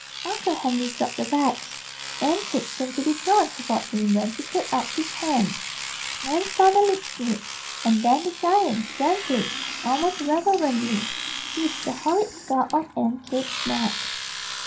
Uncle Henry dropped the bags. Aunt Kate seemed to be drawn toward him when he put out his hands. Nan saw their lips meet, and then the giant gently, almost reverently, kissed the horrid scar on Aunt Kate's neck.